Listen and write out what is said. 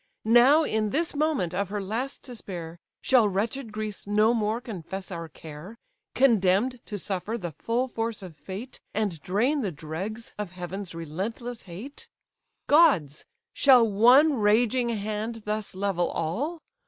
Now, in this moment of her last despair, Shall wretched Greece no more confess our care, Condemn'd to suffer the full force of fate, And drain the dregs of heaven's relentless hate? Gods! shall one raging hand thus level all?